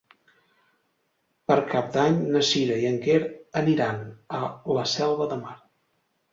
Per Cap d'Any na Sira i en Quer aniran a la Selva de Mar.